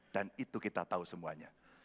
dan itu kita tahu semuanya